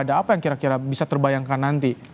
ada apa yang kira kira bisa terbayangkan nanti